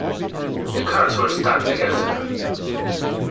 The cards were stacked against her.